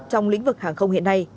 trong lĩnh vực hàng không hiện nay